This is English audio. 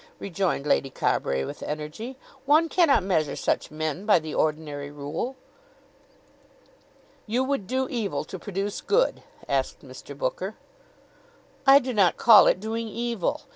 rejoined Lady Carbury with energy. "One cannot measure such men by the ordinary rule." "You would do evil to produce good?" asked Mr. Booker. "I do not call it doing evil.